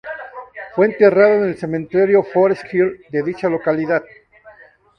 Fue enterrada en el Cementerio Forest Hill de dicha localidad.